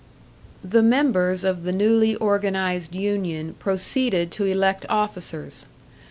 The members of the newly organised union proceeded to elect officers.